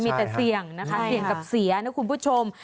มีแต่เสี่ยงนะคะเสี่ยงกับเสียนะคุณผู้ชม